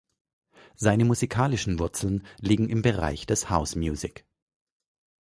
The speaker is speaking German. Seine musikalischen Wurzeln liegen im Bereich des House Music.